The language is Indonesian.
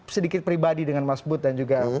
sedikit pribadi dengan mas bud dan juga